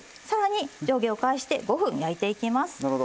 さらに上下を返して５分、焼いていきます。